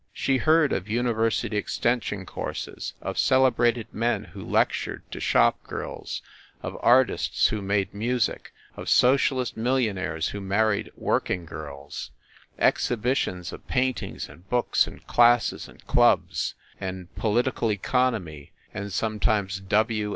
She heard of university exten sion courses, of celebrated men who lectured to shop girls, of artists who made music, of socialist million aires who married working girls exhibitions of paintings and books and classes and clubs and politi cal economy and sometimes W.